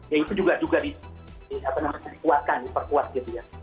ya itu juga dikuatkan diperkuat gitu ya